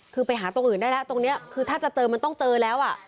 คือไปหาตรงอื่นได้แล้วตรงนี้คือถ้าจะเจอมันต้องเจอแล้วอ่ะ